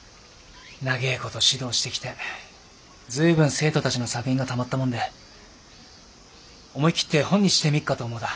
長え事指導してきて随分生徒たちの作品がたまったもんで思い切って本にしてみっかと思うだ。